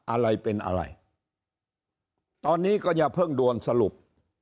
อะไรเป็นอะไรตอนนี้ก็อย่าเพิ่งด่วนสรุป